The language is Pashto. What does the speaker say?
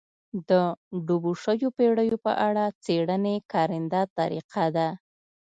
د ډوبو شویو بېړیو په اړه څېړنې کارنده طریقه ده